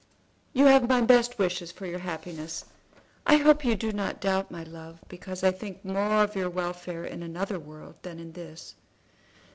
"You have my best wishes for your happiness. I hope you do not doubt my love because I think more of your welfare in another world than in this."